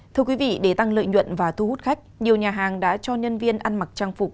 thưa quý vị để tăng lợi nhuận và thu hút khách nhiều nhà hàng đã cho nhân viên ăn mặc trang phục